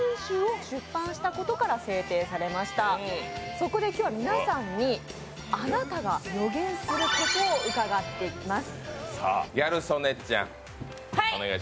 そこで今日は皆さんにあなたが予言することを伺っていきます。